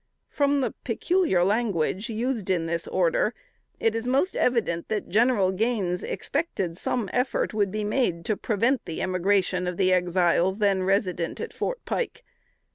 From the peculiar language used in this order, it is most evident that General Gaines expected some effort would be made to prevent the emigration of the Exiles, then resident at Fort Pike.